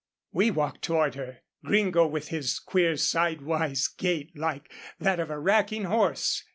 We walked toward her, Gringo with his queer sidewise gait like that of a racking horse.